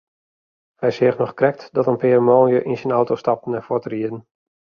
Hy seach noch krekt dat in pear manlju yn syn auto stapten en fuortrieden.